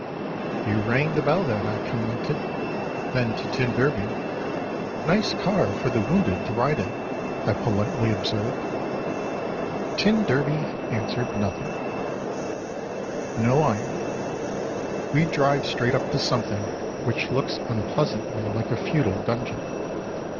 "You rang the bell then," I commented—then to t d: "Nice car for the wounded to ride in," I politely observed. T d answered nothing…. Noyon. We drive straight up to something which looks unpleasantly like a feudal dungeon.